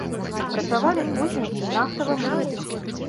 Працавалі кузня і нафтавы млын.